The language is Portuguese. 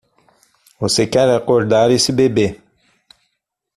Você quer acordar esse bebê!